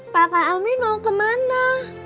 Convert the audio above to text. pakak amin mau kemana